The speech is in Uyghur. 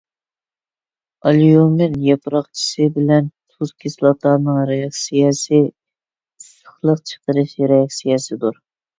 ئاليۇمىن ياپراقچىسى بىلەن تۇز كىسلاتانىڭ رېئاكسىيەسى ئىسسىقلىق چىقىرىش رېئاكسىيەسىدۇر.